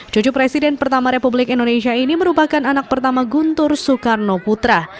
cucu presiden pertama republik indonesia ini merupakan anak pertama guntur soekarno putra